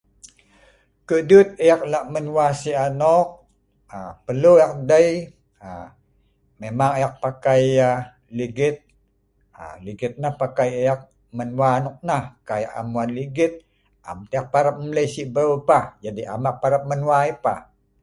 Kedut ek lah' menwa si anok, aaa perlu ek dei' aaa memang ek pakai yah ligit, aaa ligit nah pakai ek menwa nok nah. Kai ek am wan ligit am tah ek parap mlei si breu pah, jadi am ek parap menwa ai pah.